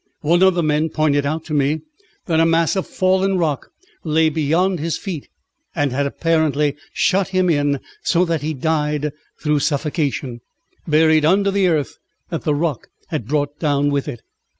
One of the men pointed out to me that a mass of fallen rock lay beyond his feet, and had apparently shut him in, so that he had died through suffocation, buried under the earth that the rock had brought down with it.